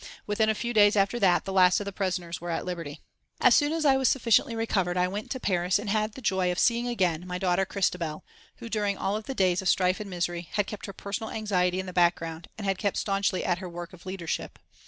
Within a few days after that the last of the prisoners were at liberty. As soon as I was sufficiently recovered I went to Paris and had the joy of seeing again my daughter Christabel, who, during all the days of strife and misery, had kept her personal anxiety in the background and had kept staunchly at her work of leadership.